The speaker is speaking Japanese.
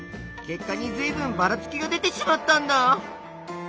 結果にずいぶんばらつきが出てしまったんだ！